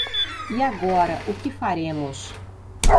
E agora o que faremos?